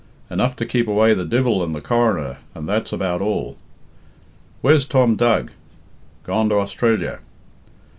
"Enough to keep away the divil and the coroner, and that's about all." "Where's Tom Dug?" "Gone to Austrilla."